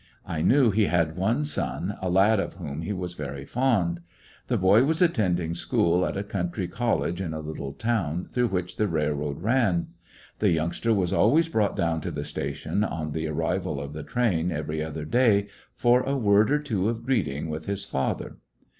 I knew he had one son, a lad of whom he was very fond. The boy was attending school at a country college in a little town through which the railroad ran. The youngster was always brought down to the station, on the arrival of the train every other day, for a word or two of greeting with his father.